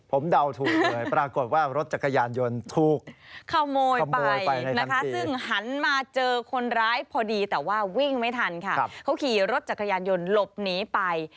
ผมเดาถูกเลยปรากฏว่ารถจักรยานยนต์ถูก